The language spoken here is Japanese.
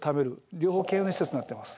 両方兼用の施設になっています。